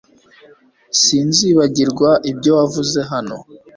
Sinzibagirwa ibyo wavuze hano